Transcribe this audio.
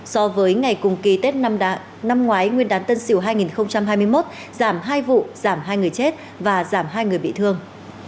so với ngày cùng kỳ tết năm ngoái nguyên đán tân sỉu hai nghìn hai mươi một giảm hai vụ giảm hai người chết và giảm hai người bị thương